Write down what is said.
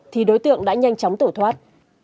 thì đối tượng đã nhanh chóng tổ thoát